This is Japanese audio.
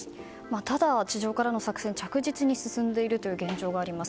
ただ、地上からの作戦着実に進んでいる現状があります。